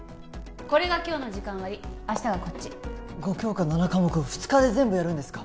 これが今日の時間割明日がこっち５教科７科目を２日で全部やるんですか？